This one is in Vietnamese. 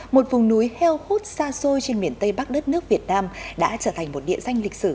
một vùng núi heo hút xa xôi trên miền tây bắc đất nước việt nam đã trở thành một địa danh lịch sử